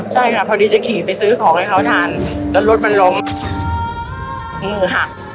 ใช่ค่ะพอดีจะขี่ไปซื้อของให้เขาทานแล้วรถมันล้มมือหัก